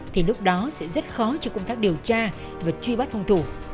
thì lúc đó sẽ rất khó cho công tác điều tra và truy bắt hung thủ